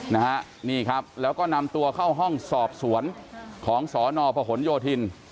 นะฮะนี่ครับแล้วก็นำตัวเข้าห้องสอบสวนของสนพหนโยธิน